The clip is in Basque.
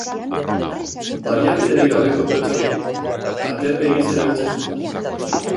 Baliabiderik gabeko pertsonek aterpe gisa erabiltzen zuten.